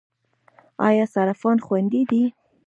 آیا صرافان خوندي دي؟